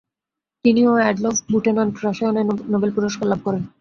তিনি ও Adolf Butenandt রসায়নে নোবেল পুরস্কার লাভ করেন।